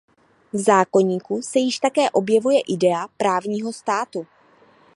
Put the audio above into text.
V zákoníku se již také objevuje idea právního státu.